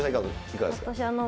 いかがですか？